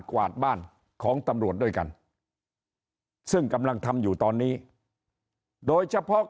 กวาดบ้านของตำรวจด้วยกันซึ่งกำลังทำอยู่ตอนนี้โดยเฉพาะ